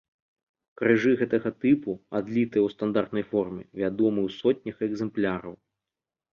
Крыжы гэтага тыпу, адлітыя ў стандартнай форме, вядомы ў сотнях экземпляраў.